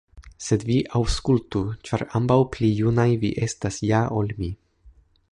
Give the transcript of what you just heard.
Sed vi aŭskultu, ĉar ambaŭ pli junaj vi estas ja ol mi.